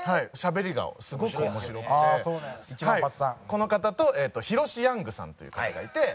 この方とヒロシ・ヤングさんっていう方がいて。